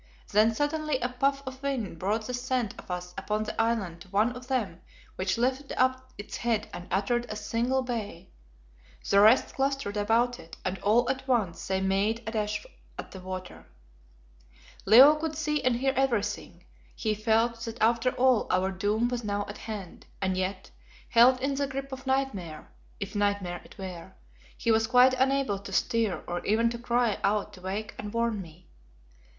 Then suddenly a puff of wind brought the scent of us upon the island to one of them which lifted up its head and uttered a single bay. The rest clustered about it, and all at once they made a dash at the water. Leo could see and hear everything. He felt that after all our doom was now at hand, and yet, held in the grip of nightmare, if nightmare it were, he was quite unable to stir or even to cry out to wake and warn me.